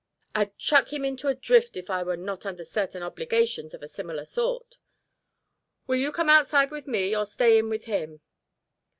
I'd chuck him into a drift if I were not under certain obligations of a similar sort. Will you come outside with me, or stay in with him?"